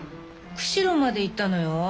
釧路まで行ったのよ。